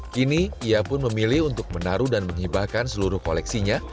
kini ia pun memilih untuk menaruh dan menghibahkan seluruh koleksinya